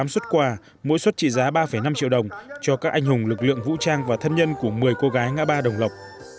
một mươi xuất quà mỗi xuất trị giá ba năm triệu đồng cho các anh hùng lực lượng vũ trang và thân nhân của một mươi cô gái ngã ba đồng lộc